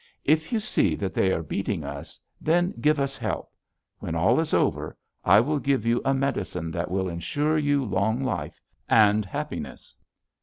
If you see that they are beating us, then give us help. When all is over, I will give you a medicine that will insure you long life and happiness.'